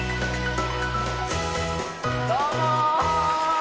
どうも！